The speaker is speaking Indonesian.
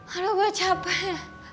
aduh gue capek